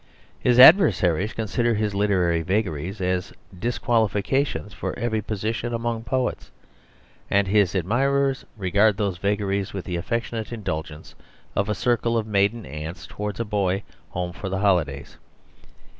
His adversaries consider his literary vagaries a disqualification for every position among poets; and his admirers regard those vagaries with the affectionate indulgence of a circle of maiden aunts towards a boy home for the holidays.